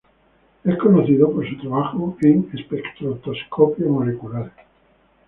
Es conocido por su trabajo en espectroscopia molecular.